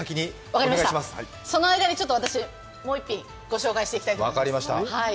分かりました、その間に私、もう１品ご紹介していきたいと思います。